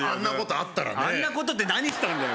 「あんなこと」って何したんだよ